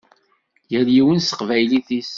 Yal yiwen s teqbaylit-is.